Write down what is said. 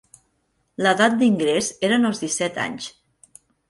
L'edat d'ingrés eren els disset anys.